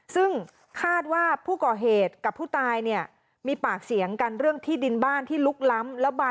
ซึ่งคาดว่าผู้ก่อเหตุกับผู้ตายเนี่ยมีปากเสียงกันเรื่องที่ดินบ้านที่ลุกล้ำ